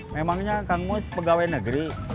memangnya kang mus pegawai negeri